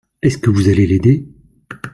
Est-ce que vous allez l'aider ?